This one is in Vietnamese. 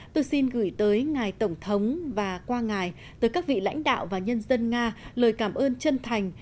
tôi xin gửi tới ngài tổng thống và qua ngài tới các vị lãnh đạo và nhân dân nga lời cảm ơn chân thành